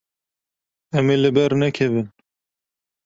Em ê li ber nekevin.